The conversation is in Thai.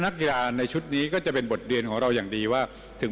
มากใบไทยจีนเป็นทุจัยและใช้มาใช้ในเดือน